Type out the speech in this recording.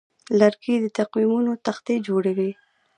لرګی د تقویمو تختې جوړوي.